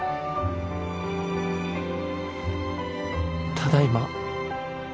ただいま。